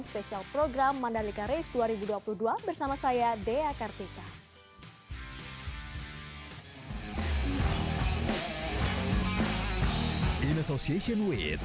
spesial program mandalika race dua ribu dua puluh dua bersama saya dea kartika in association with